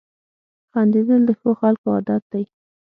• خندېدل د ښو خلکو عادت دی.